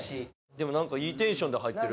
でもなんかいいテンションで入ってる。